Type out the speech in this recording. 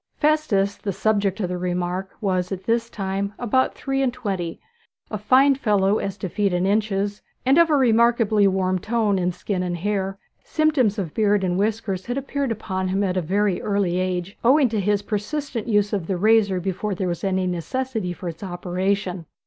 Festus, the subject of the remark, was at this time about three and twenty, a fine fellow as to feet and inches, and of a remarkably warm tone in skin and hair. Symptoms of beard and whiskers had appeared upon him at a very early age, owing to his persistent use of the razor before there was any necessity for its operation.